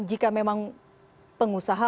jika memang pengusaha